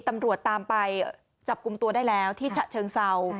ตำรวจตามไปจับกลุ่มตัวได้แล้วที่ฉะเชิงเศร้า